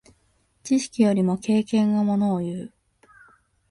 知識よりも経験がものをいう。